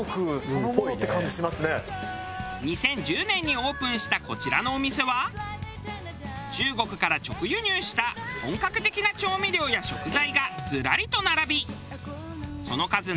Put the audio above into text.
２０１０年にオープンしたこちらのお店は中国から直輸入した本格的な調味料や食材がズラリと並びその数